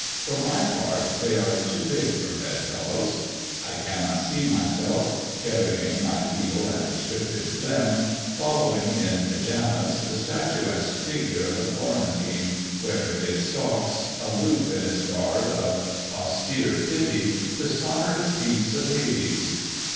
For my part, they are too big for bed fellows. I cannot see myself, carrying my feeble and restricted glim, following (in pajamas) the statuesque figure of the Florentine where it stalks, aloof in its garb of austere pity, the sonorous deeps of Hades.